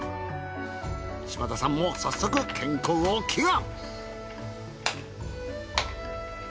島田さんも早速健康を祈願。